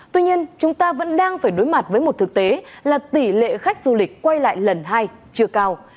tuy nhiên chúng ta vẫn đang phải đối mặt với một thực tế là tỷ lệ khách du lịch quay lại lần hai chưa cao